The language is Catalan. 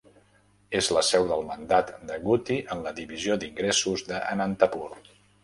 És la seu del mandat de Gooty en la divisió d'ingressos de Anantapur.